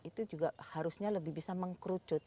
itu juga harusnya lebih bisa mengkerucut